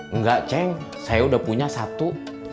enggak ceng saya udah punya satu